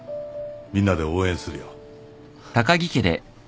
みんなで応援するよ。